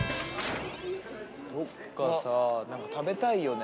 どっかさぁ何か食べたいよね。